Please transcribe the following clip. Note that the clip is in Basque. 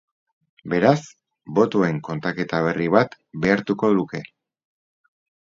Beraz, botoen kontaketa berri bat behartuko luke.